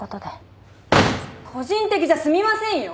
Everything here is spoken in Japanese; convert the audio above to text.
個人的じゃ済みませんよ！